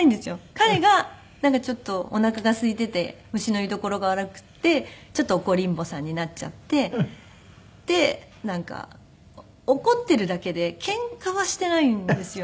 彼がなんかちょっとおなかがすいていて虫の居所が悪くてちょっと怒りんぼさんになっちゃってでなんか怒っているだけでケンカはしていないんですよね。